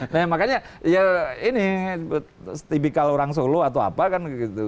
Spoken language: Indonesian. nah makanya ya ini tipikal orang solo atau apa kan gitu